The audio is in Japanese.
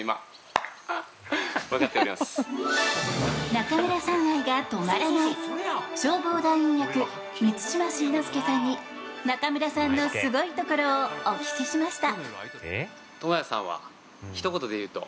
中村さん愛が止まらない消防団員役、満島真之介さんに中村さんのすごいところをお聞きしました。